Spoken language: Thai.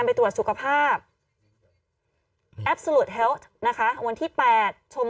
กล้องกว้างอย่างเดียว